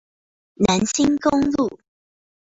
南清公路